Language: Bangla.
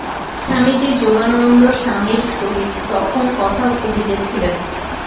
স্বামীজী যোগানন্দ-স্বামীর সহিত তখন কথা কহিতেছিলেন।